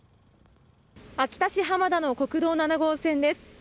秋田市浜田の国道７号線です。